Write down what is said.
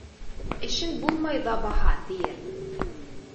Эшең булмай ҙабаһа, тиер.